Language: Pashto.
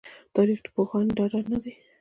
تاريخ پوهان ډاډه نه دي